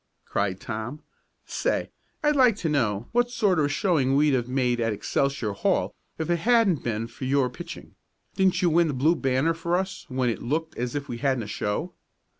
cried Tom. "Say, I'd like to know what sort of a showing we'd have made at Excelsior Hall if it hadn't been for your pitching! Didn't you win the Blue Banner for us when it looked as if we hadn't a show?